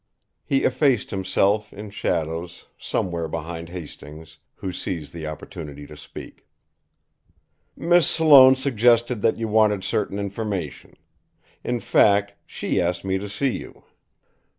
He effaced himself, in shadows, somewhere behind Hastings, who seized the opportunity to speak. "Miss Sloane suggested that you wanted certain information. In fact, she asked me to see you."